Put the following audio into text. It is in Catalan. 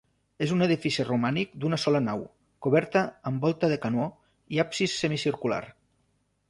És un edifici romànic d'una sola nau, coberta amb volta de canó, i absis semicircular.